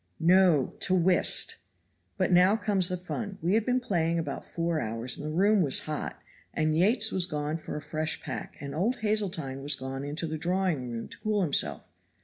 "No! to whist; but now comes the fun. We had been playing about four hours, and the room was hot, and Yates was gone for a fresh pack, and old Hazeltine was gone into the drawing room to cool himself.